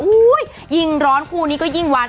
อุ้ยยิ่งร้อนคู่นี้ก็ยิ่งหวาน